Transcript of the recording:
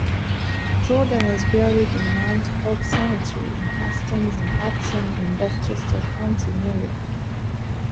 Jordan is buried in Mount Hope Cemetery in Hastings-on-Hudson in Westchester County, New York.